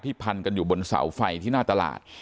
พันกันอยู่บนเสาไฟที่หน้าตลาด